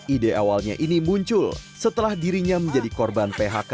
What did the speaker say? ide awalnya ini muncul setelah dirinya menjadi korban phk